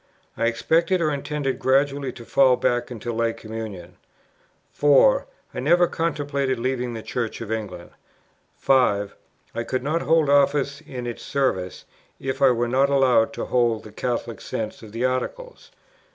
I expected or intended gradually to fall back into Lay Communion; 4. I never contemplated leaving the Church of England; 5. I could not hold office in its service, if I were not allowed to hold the Catholic sense of the Articles; 6.